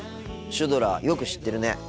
シュドラよく知ってるね。